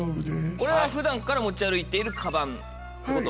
これは普段から持ち歩いているカバンってこと？